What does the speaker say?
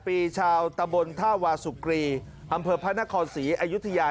ปีชาวตะบนท่าวาสุกรีอำเภอพระนครศรีอยุธยา